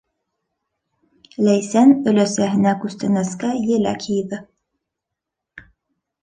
Ләйсән өләсәһенә күстәнәскә еләк йыйҙы.